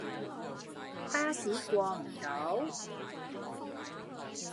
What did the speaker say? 巴士過唔到